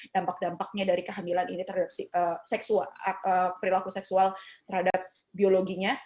dampak dampaknya dari kehamilan ini terhadap perilaku seksual terhadap biologinya